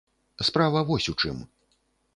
Справа вось у чым.